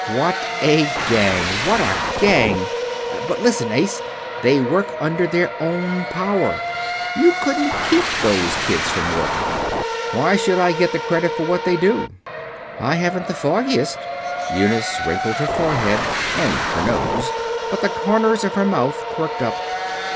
"What a gang! What a gang! But listen, ace they work under their own power you couldn't keep those kids from working. Why should I get the credit for what they do?" "I haven't the foggiest." Eunice wrinkled her forehead and her nose but the corners of her mouth quirked up.